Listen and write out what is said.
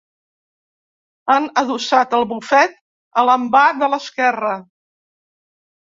Han adossat el bufet a l'envà de l'esquerra.